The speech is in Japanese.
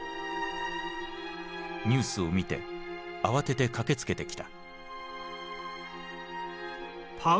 ニュースを見て慌てて駆けつけてきた。